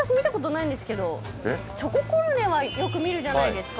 チョココロネはよく見るじゃないですか。